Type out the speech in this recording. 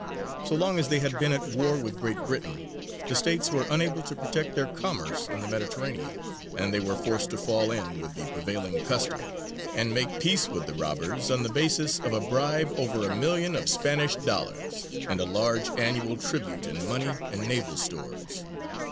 So long as they had been at war with Great Britain, the States were unable to protect their commerce in the Mediterranean; and they were forced to fall in with the prevailing custom and make peace with the robbers on the basis of a bribe over a million of Spanish dollars, and a large annual tribute in money and naval stores.